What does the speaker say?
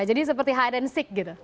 jadi seperti hide and seek gitu